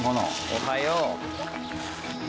おはよう。